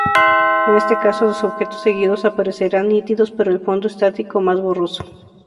En este caso, los objetos seguidos aparecerán nítidos pero el fondo estático más borroso.